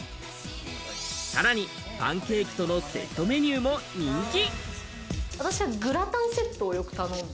さらにパンケーキとのセットメニューも人気。